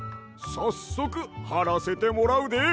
さっそくはらせてもらうで。